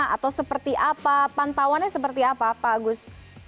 atau seperti apa pantauannya seperti apa pak agus